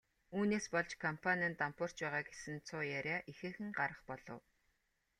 Үүнээс болж компани нь дампуурч байгаа гэсэн цуу яриа ихээхэн гарах болов.